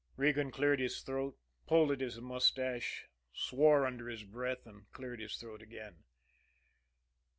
Regan cleared his throat, pulled at his mustache, swore under his breath, and cleared his throat again.